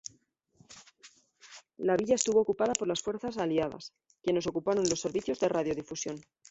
La Villa estuvo ocupada por las fuerzas aliadas, quienes utilizaron los servicios de radiodifusión.